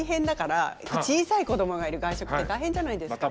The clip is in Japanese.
小さい子どもがいる外食って大変じゃないですか。